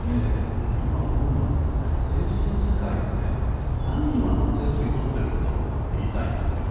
僕、今思うのは政治の世界は何で今夏休みをとっているんだろうと言いたいんですよ。